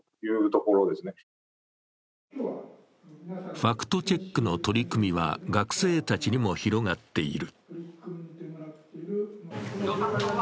ファクトチェックの取り組みは学生たちにも広がっている。